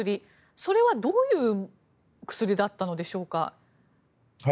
それは、どういう薬だったのでしょうか？